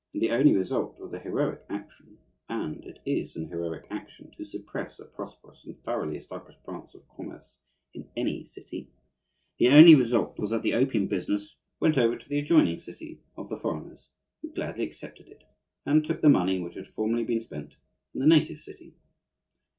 And the only result of their heroic action, and it is an heroic action to suppress a prosperous and thoroughly established branch of commerce in any city, the only result was that the opium business went over to the adjoining city of the foreigners, who gladly accepted it, and took the money which had formerly been spent in the native city.